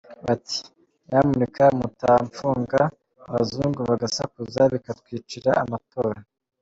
Bati ‘Nyamuneka’ mutamufunga abazungu bagasakuza bikatwicira amatora.